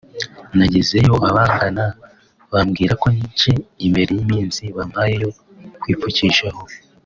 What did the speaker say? "Nagezeyo abaganga bambwira ko nje imbere y’iminsi bampaye yo kwipfukishaho